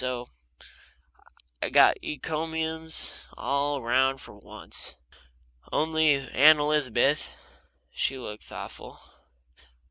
So I got encombiums all round for once. Only Aunt Elizabeth she looked thoughtful.